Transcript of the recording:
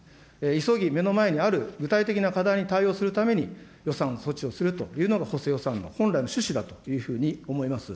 急ぎ目の前にある具体的な課題に対応するために予算措置をするというのが補正予算の本来の趣旨だというふうに思います。